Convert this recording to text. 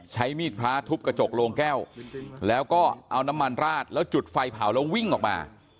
ใช้มีดพระทุบกระจกโรงแก้วแล้วก็เอาน้ำมันราดแล้วจุดไฟเผาแล้ววิ่งออกมา